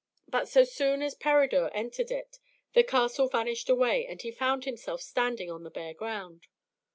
But so soon as Peredur had entered it, the castle vanished away, and he found himself standing on the bare ground.